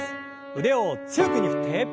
腕を強く上に振って。